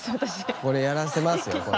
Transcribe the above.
これやらせますよこれ。